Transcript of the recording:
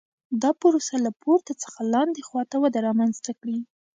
دا پروسه له پورته څخه لاندې خوا ته وده رامنځته کړي